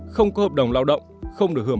không có hợp đồng lao động không được hưởng